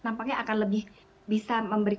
ini nampaknya akan lebih bisa memperbaiki